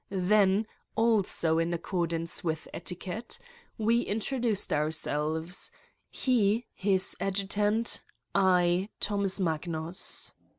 Then, also in accordance with etiquette, we intro 179 Satan's Diary duced ourselves, he his adjutant, I Thomas Magnus.